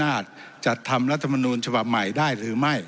นาจจัดทำลัฐมณูนภาพใหม่ได้หรือไม่